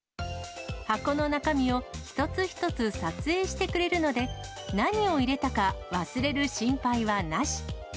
箱の中身を一つ一つ撮影してくれるので、何を入れたか忘れる心配はなし。